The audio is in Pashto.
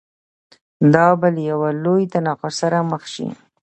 دا به له یوه لوی تناقض سره مخ شي.